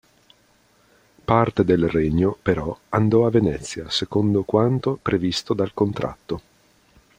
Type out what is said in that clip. Parte del regno però andò a Venezia, secondo quanto previsto dal contratto.